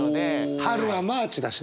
春は「マーチ」だしね！